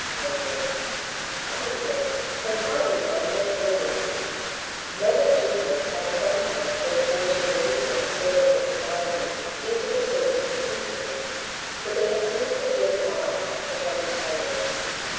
Isaac ! Isaac ! the climbing plants are slender ones. Men of genius have sometimes been forced away from the service of society into the service of princes ; but they have soon been driven out, or have retired.